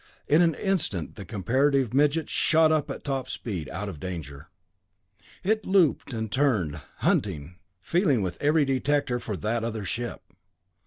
In an instant the comparative midget shot up at top speed, out of danger. It looped and turned, hunting, feeling with its every detector for that other ship.